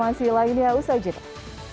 masih lainnya usai jelas